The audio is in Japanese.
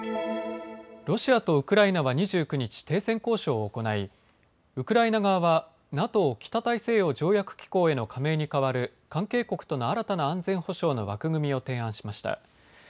ロシアとウクライナは２９日、停戦交渉を行いウクライナ側はＮＡＴＯ・北大西洋条約機構への加盟に代わる関係国との新たな安全保障の枠組みを提案しました。